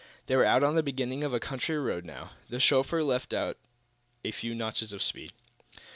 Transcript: They were out on the beginning of a country road, now. The chauffeur let out a few notches of speed.